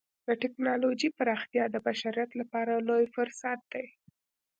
د ټکنالوجۍ پراختیا د بشریت لپاره لوی فرصت دی.